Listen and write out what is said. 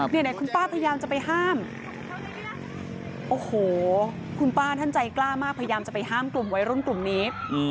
ไหนคุณป้าพยายามจะไปห้ามโอ้โหคุณป้าท่านใจกล้ามากพยายามจะไปห้ามกลุ่มวัยรุ่นกลุ่มนี้